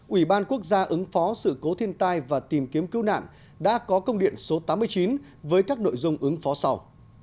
ủy ban quốc gia ứng phó sự cố thiên tai và tìm kiếm cứu nạn đã có công điện số tám mươi chín với các nội dung ứng phó sau